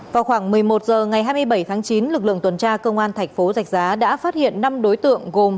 vào khoảng một mươi một h ngày hai mươi bảy tháng chín lực lượng tuần tra công an thành phố rạch giá đã phát hiện năm đối tượng gồm